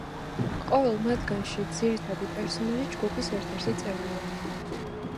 ყოველ მათგანში ძირითადი პერსონაჟი ჯგუფის ერთ-ერთი წევრია.